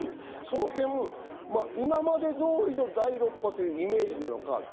今まで通りの第６波というイメージなのか。